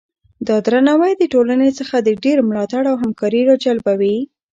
دا درناوی د ټولنې څخه ډیر ملاتړ او همکاري راجلبوي.